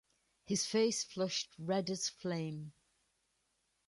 His face flushed red as flame.